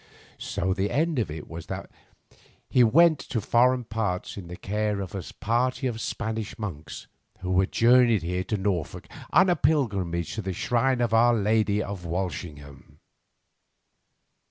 So the end of it was that he went to foreign parts in the care of a party of Spanish monks, who had journeyed here to Norfolk on a pilgrimage to the shrine of our Lady of Walsingham.